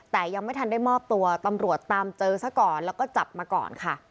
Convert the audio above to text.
แต่ยังไม่ทันได้มอบตัวตำรวจตามเจอซะก่อนแล้วก็จับมาก่อนค่ะ